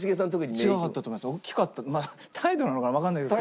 違かったと思います。